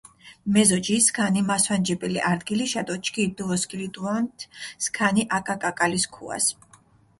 მეზოჯი სქანი მასვანჯებელი არდგილიშა დო ჩქი დჷვოსქილიდაფუანთ სქანი აკა კაკალი სქუას.